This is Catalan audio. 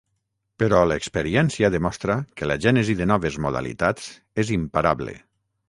Però l'experiència demostra que la gènesi de noves modalitats és imparable.